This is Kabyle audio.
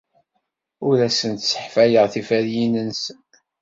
Ur asen-sseḥfayeɣ tiferyin-nsen.